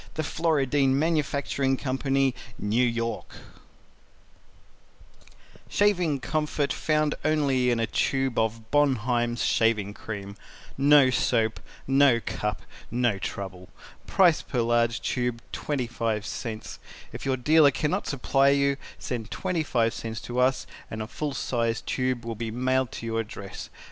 The Floridine Manufacturing Co. NEW YORK Shaving Comfort Found only in a tube of Bonheim's Shaving Cream NO SOAP NO CUP NO TROUBLE PRICE PER LARGE TUBE 25 CENTS IF YOUR DEALER CANNOT SUPPLY YOU SEND 25 CENTS TO US AND A FULL SIZE TUBE WILL BE MAILED TO YOUR ADDRESS.